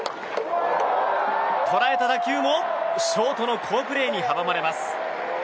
捉えた打球もショートの好プレーに阻まれます。